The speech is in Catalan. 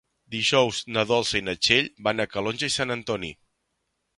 Dijous na Dolça i na Txell van a Calonge i Sant Antoni.